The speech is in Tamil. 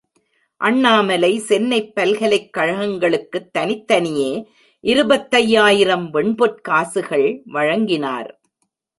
அண்ணாமலை, சென்னைப் பல்கலைக் கழகங்களுக்குத் தனித்தனியே இருபத்தையாயிரம் வெண்பொற்காசுகள் வழங்கினார்.